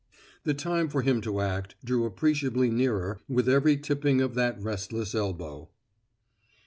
The time for him to act drew appreciably nearer with every tipping of that restless elbow.